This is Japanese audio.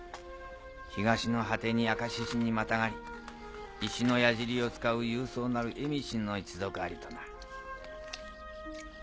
東の果てにアカシシにまたがり石の矢尻を使う勇壮なるエミシの一族ありとな。